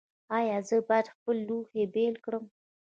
ایا زه باید خپل لوښي بیل کړم؟